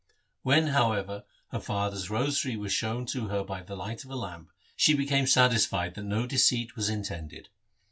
When, however, her father's rosary was shown her by the light of a lamp, she became satisfied that no deceit was intended.